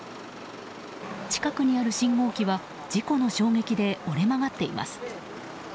近くにある信号機は事故の衝撃で折れ曲がっています。